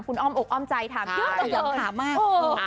คุณอ้อมอกอ้อมใจถามเยอะมาก